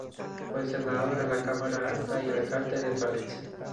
Fue Senador a la Cámara alta y alcalde de Palencia.